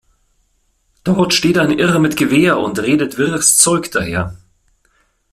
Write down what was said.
Dort steht ein Irrer mit Gewehr und redet wirres Zeug daher.